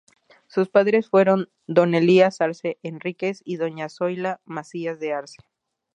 Sus padres fueron don Elías Arce Enríquez y doña Zoila Masías de Arce.